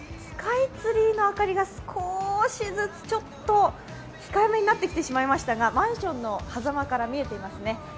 スカイツリーの明かりが少しずつ控えめになってしまいましたがマンションの狭間から見えていますね。